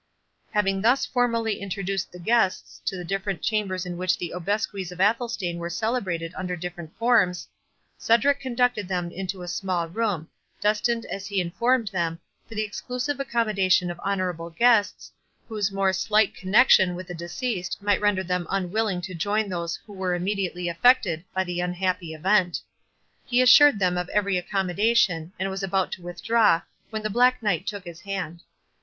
Having thus formally introduced the guests to the different chambers in which the obsequies of Athelstane were celebrated under different forms, Cedric conducted them into a small room, destined, as he informed them, for the exclusive accomodation of honourable guests, whose more slight connexion with the deceased might render them unwilling to join those who were immediately effected by the unhappy event. He assured them of every accommodation, and was about to withdraw when the Black Knight took his hand.